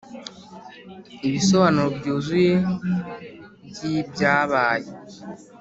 Ibisobanuro byuzuye by ibyabaye